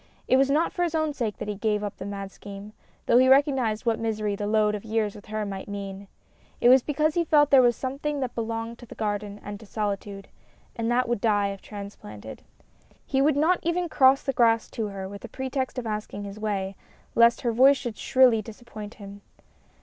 It was not for his own sake that he gave up the mad scheme, though he recognized what misery the load of years with her might mean ; it was because he felt there was something that belonged to the garden and to solitude, and that would die if transplanted. He would not even cross the grass to her with a pretext of asking his way, lest her voice should shrilly disappoint him.